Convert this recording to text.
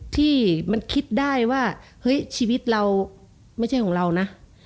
ที่มันคิดได้ว่าเฮ้ยชีวิตเราไม่ใช่ของเรานะ